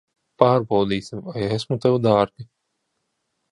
Pārbaudīsim, vai esmu tev dārga.